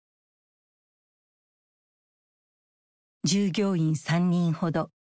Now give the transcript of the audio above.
従業員３人ほど。